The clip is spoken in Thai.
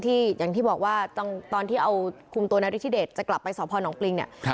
ที่อย่างที่บอกว่าตอนที่เอาคุมตัวนาฬิทธิเดชจะกลับไปสระพรน้องกลิ้งเนี่ย